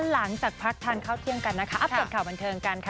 หลังจากพักทานข้าวเที่ยงกันนะคะอัปเดตข่าวบันเทิงกันค่ะ